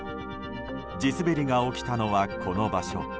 地滑りが起きたのはこの場所。